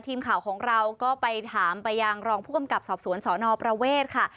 ทีมข่าวของเราก็ไปถามไปยังรองผู้กำกับสอบสวนสนประเวทค่ะ